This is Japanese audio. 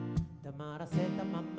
「黙らせたまま」